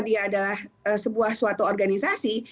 dia adalah sebuah suatu organisasi